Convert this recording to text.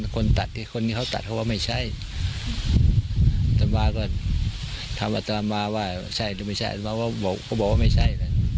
คนที่ตัดไม่ใช่ธามารว่าใช่หรือไม่ใช่ธามารบอกว่าไม่ใช่